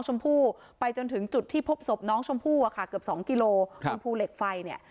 หรือเหล็กไฟเนี่ย